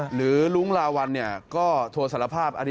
หรือลุงฬาวันเนี่ยก็โทรสารภาพ